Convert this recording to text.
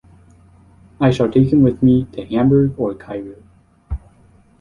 I shall take him with me to Hamburg or Cairo.